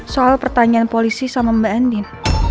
soal pertanyaan polisi sama mbak andin